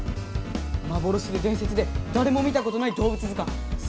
「幻で伝説でだれも見たことない動物図鑑」！